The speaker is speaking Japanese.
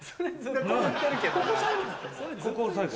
ここを最後。